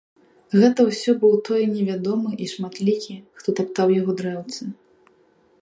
Гэта ўсё быў той невядомы і шматлікі, хто таптаў яго дрэўцы.